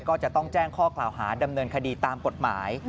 ก็จะต้องแจ้งข้อกล่าวหาดำเนินคดีตามกฎหมาย